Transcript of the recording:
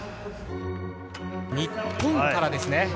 日本からですね。